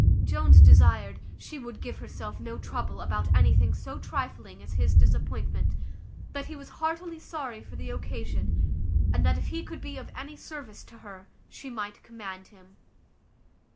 Jones desired, "She would give herself no trouble about anything so trifling as his disappointment; that he was heartily sorry for the occasion; and that if he could be of any service to her, she might command him."